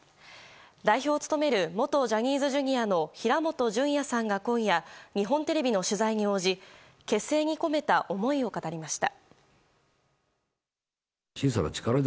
代表を務める元ジャニーズＪｒ．の平本淳也さんが今夜、日本テレビの取材に応じ結成に込めた思いを語りました。